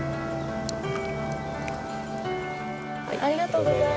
ありがとうございます。